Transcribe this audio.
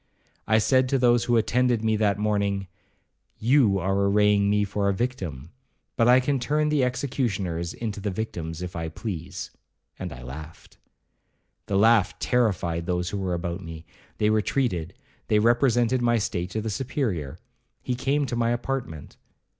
I said to those who attended me that morning, 'You are arraying me for a victim, but I can turn the executioners into the victims if I please'—and I laughed. The laugh terrified those who were about me—they retreated—they represented my state to the Superior. He came to my apartment.